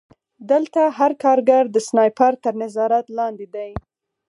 دلته هر کارګر د سنایپر تر نظارت لاندې دی